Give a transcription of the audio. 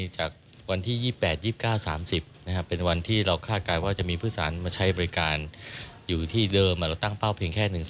จนถึง๔มกราคมปีหน้าค่ะ